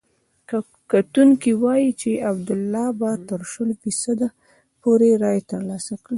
کتونکي وايي چې عبدالله به تر شلو فیصدو پورې رایې ترلاسه کړي.